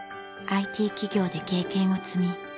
ＩＴ企業で経験を積み